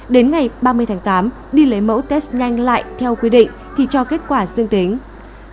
đến ngày ba mươi tháng tám đi lấy mẫu test nhanh lại theo quy định thì cho kết quả dương tính